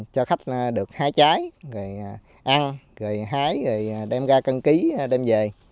cho khách được hái trái rồi ăn rồi hái rồi đem ra cân ký đem về